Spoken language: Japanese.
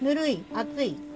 熱い？